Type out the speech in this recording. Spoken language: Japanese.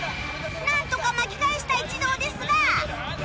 なんとか巻き返した一同ですが